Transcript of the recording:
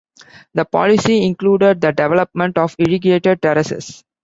The policy included the development of irrigated terraces.